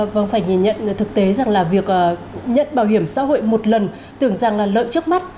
vâng phải nhìn nhận thực tế rằng là việc nhận bảo hiểm xã hội một lần tưởng rằng lợi trước mắt